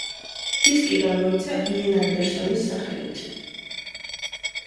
დისკი გამოიცა იენ ანდერსონის სახელით.